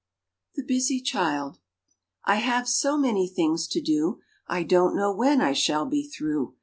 The Busy Child I have so many things to do, I don't know when I shall be through.